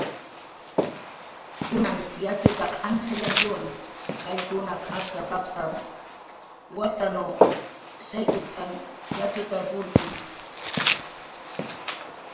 "Punan yatxutaq antz jayankiwa: qayllkunaq apsap"" apsap"" wasanw shaykutsan yatxutar purki."